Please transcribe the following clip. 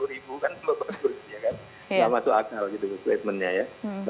tidak masuk akal statementnya ya